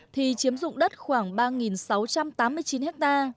thì chiếm dụng đất khoảng ba sáu trăm tám mươi chín ha